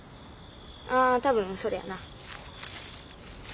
あ多分それやな。